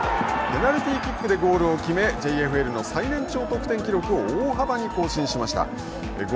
ペナルティーキックでゴールを決めＪＦＬの最年長得点記録を大幅に更新しました。